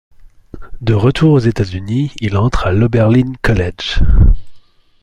De retour aux États-Unis, il entre à l'Oberlin College.